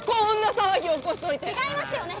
騒ぎ起こしといて違いますよね